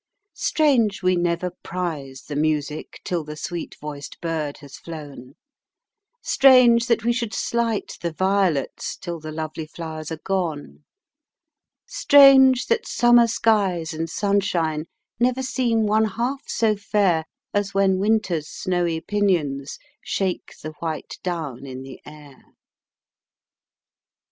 Strange we never prize the music Till the sweet voiced bird has flown, Strange that we should slight the violets Till the lovely flowers are gone; Strange that summer skies and sunshine Never seem one half so fair As when winter's snowy pinions Shake the white down in the air.